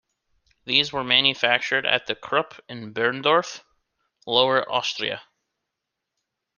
These were manufactured at the Krupp in Berndorf, Lower Austria.